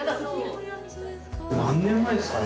何年前ですかね？